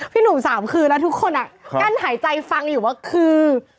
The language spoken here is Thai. พี่หนู๓เชื้อแล้วทุกคนอะกั้นหายใจฟังในคำว่าคือ